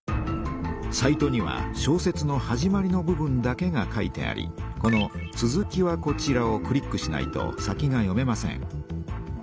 サイトには小説の始まりの部分だけが書いてありこの「続きはこちら」をクリックしないと先が読めません。